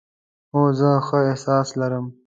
هو، زه ښه احساس لرم